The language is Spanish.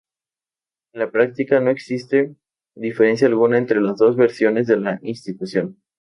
En la práctica, no existe diferencia alguna entre las dos versiones de la institución.